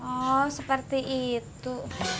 oh seperti itu